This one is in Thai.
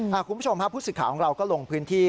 คุณผู้ชมฮะผู้สื่อข่าวของเราก็ลงพื้นที่